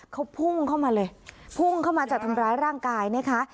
เขาพุ่งเข้ามาเลยพุ่งเข้ามาจะทำร้ายร่างกายนะคะ